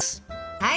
はい。